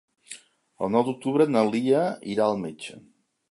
El nou d'octubre na Lia irà al metge.